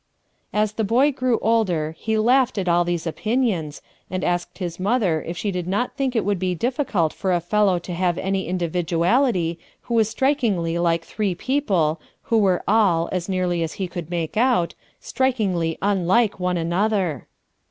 As the boy grew older he laughed at all these opinions, and asked his mother if she did not think it would be difficult for a fellow to have any individuality who was strikingly like three people who were' all, as nearly as he could make out, strikingly unlike one another.